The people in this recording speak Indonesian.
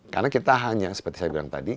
karena kita hanya seperti saya bilang tadi